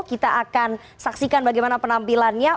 kita akan saksikan bagaimana penampilannya